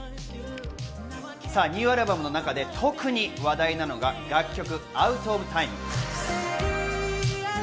ニューアルバムの中で特に話題なのが楽曲『ＯｕｔｏｆＴｉｍｅ』。